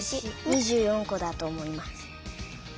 ２４こだとおもいます。